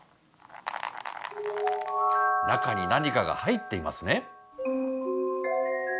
中に何かが入っていますね。